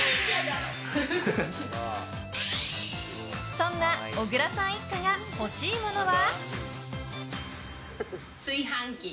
そんな小倉さん一家が欲しいものは。